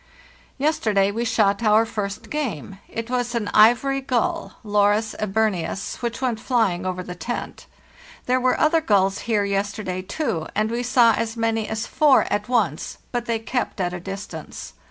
244 FARTHEST NORTH "Yesterday we shot our first game. It was an ivory gull (Larus eberneus), which went flying over the tent. There were other gulls here, yesterday, too, and we saw as many as four at once; but they kept at a distance.